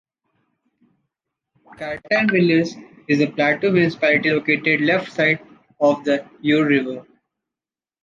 Chartainvilliers is a plateau municipality located left side of the Eure river.